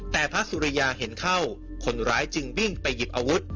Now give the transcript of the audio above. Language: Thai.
แต่พระสุริยาเห็นเข้าคนร้ายจึงวิ่งไปหยิบอาวุธ